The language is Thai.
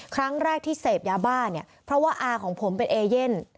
ครั้งแรกที่เสพยาบ้าเนี่ยเพราะว่าอาของผมเป็นเอเย่น